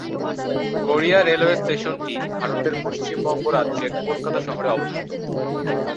Garia railway স্টেশনটি ভারতের পশ্চিমবঙ্গ রাজ্যের কলকাতা শহরে অবস্থিত।